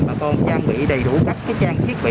bà con trang bị đầy đủ các trang thiết bị